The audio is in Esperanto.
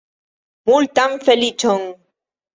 Multan feliĉon!